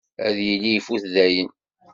Ad yili ifut dayen.